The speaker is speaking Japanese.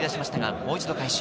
もう一度回収。